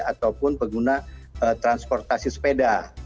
ataupun pengguna transportasi sepeda